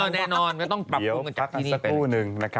แน่นอนไม่ต้องปรับคุมกันจากที่นี่